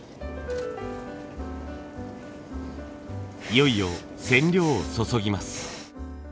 いよいよ染料を注ぎます。